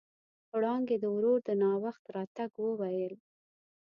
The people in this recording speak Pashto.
وړانګې د ورور د ناوخت راتګ وويل.